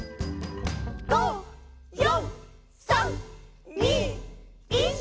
「５、４、３、２、１」